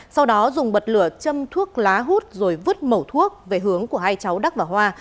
sau đó dùng bật lửa châm thuốc lá hút rồi vứt mẫu thuốc về hướng của hai cháu đắc và hoa